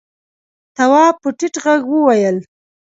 تواب په ټيټ غږ وويل: